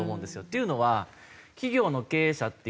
というのは企業の経営者っていうのは。